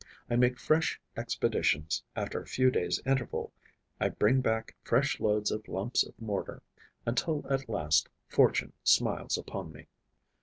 I make fresh expeditions, after a few days' interval; I bring back fresh loads of lumps of mortar, until at last fortune smiles upon me.